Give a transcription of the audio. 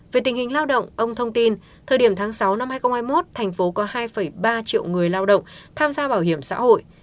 về tình hình lao động ông thông tin thời điểm tháng sáu năm hai nghìn hai mươi một thành phố có hai ba triệu người lao động tham gia bảo hiểm xã hội